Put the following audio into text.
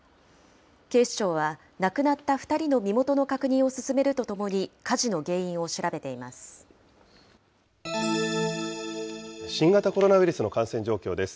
警視庁は、亡くなった２人の身元の確認を進めるとともに、火事の原因を調べ新型コロナウイルスの感染状況です。